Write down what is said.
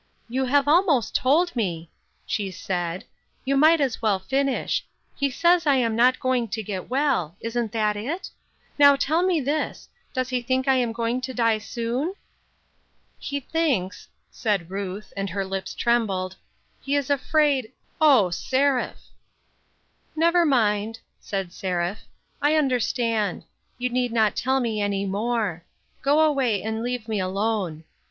" You have almost told me," she said, " you might as well finish ; he says I am not going to get well. Isn't that it ? Now tell me this ; does he think I am going to die soon ?"" He thinks," said Ruth, and her lips trembled, " he is afraid — O, Seraph !"" Never mind," said Seraph. " I understand ; you need not tell me any more ; go away, and leave me alone."